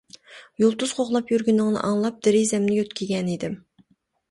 يۇلتۇز قوغلاپ يۈرگىنىڭنى ئاڭلاپ، دېرىزەمنى يۆتكىگەنىدىم.